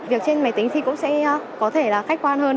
việc trên máy tính thì cũng sẽ có thể là khách quan hơn